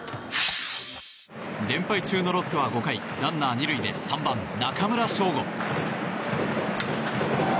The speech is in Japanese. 連敗中のロッテは５回ランナー２塁で３番、中村奨吾。